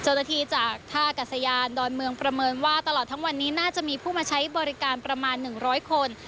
เจ้าหน้าที่จากท่ากัศยานดอนเมืองประเมินว่าตลอดทั้งวันนี้น่าจะมีผู้มาใช้บริการประมาณ๑๐๐คน